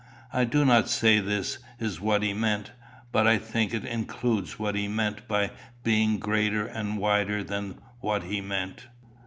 I do not say this is what he meant; but I think it includes what he meant by being greater and wider than what he meant.